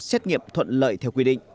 xét nghiệm thuận lợi theo quy định